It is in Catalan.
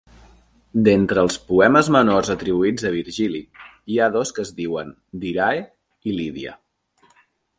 D'entre els poemes menors atribuïts a Virgili hi ha dos que es diuen "Dirae" i "Lydia".